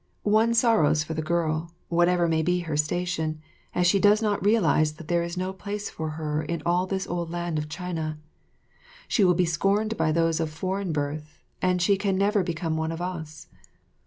One sorrows for the girl, whatever may be her station, as she does not realize that there is no place for her in all the old land of China. She will be scorned by those of foreign birth, and she can never become one of us.